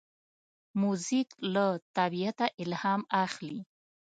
موزیک له طبیعته الهام اخلي.